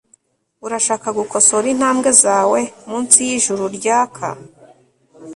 urashaka gukosora intambwe zawe munsi yijuru ryaka